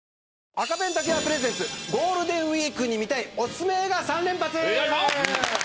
赤ペン瀧川プレゼンツゴールデンウイークに見たいおすすめ映画３連発。